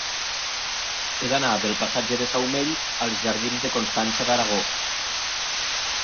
He d'anar del passatge de Saumell als jardins de Constança d'Aragó.